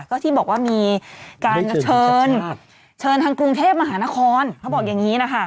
ก็ที่บอกว่ามีการเชิญเชิญทางกรุงเทพมหานครเขาบอกอย่างนี้นะคะ